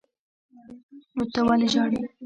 نو ته ولې ژاړې.